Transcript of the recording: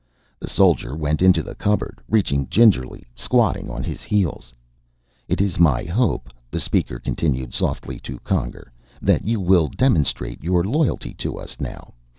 The soldier went into the cupboard, reaching gingerly, squatting on his heels. "It is my hope," the Speaker continued softly, to Conger, "that you will demonstrate your loyalty to us, now.